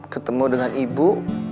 ketemu dengan ibu